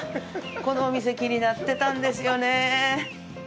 このお店、気になってたんですよね。